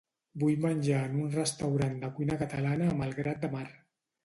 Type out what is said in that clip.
Vull menjar en un restaurant de cuina catalana a Malgrat de Mar.